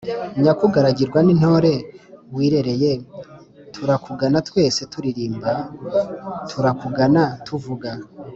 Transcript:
nyakugaragirwa n'intore wirereye turakugana twese turirimba ; turakugana tuvuga